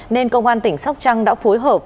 nên công an tỉnh sóc trăng đã phối hợp